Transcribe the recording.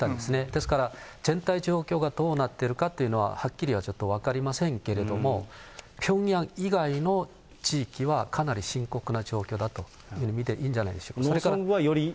ですから、全体状況がどうなってるかっていうのは、はっきりはちょっと分かりませんけれども、ピョンヤン以外の地域はかなり深刻な状況だと見ていいんじゃないでしょうか。